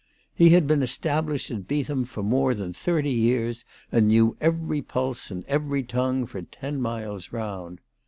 He had been established at Beetham for more than thirty years, and knew every pulse and every tongue for ten miles round.